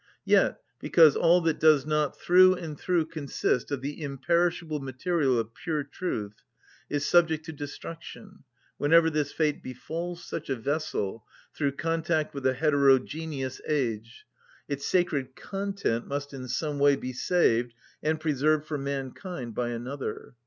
Yet, because all that does not through and through consist of the imperishable material of pure truth is subject to destruction, whenever this fate befalls such a vessel, through contact with a heterogeneous age, its sacred content must in some way be saved and preserved for mankind by another.